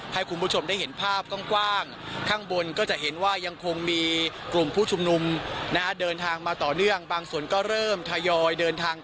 ให้คุณผู้ชมได้เห็นภาพกว้าง